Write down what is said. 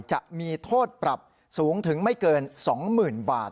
จะมีโทษปรับสูงถึงไม่เกิน๒๐๐๐๐บาท